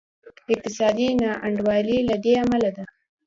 اقتصادي نا انډولي له دې امله ده.